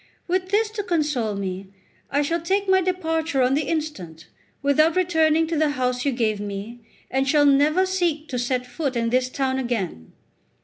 With this to console me, I shall take my departure on the instant, without returning to the house you gave me, and shall never seek to set my foot in this town again."